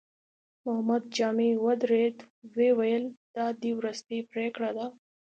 محمد جامي ودرېد، ويې ويل: دا دې وروستۍ پرېکړه ده؟